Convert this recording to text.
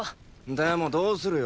でもどうするよ。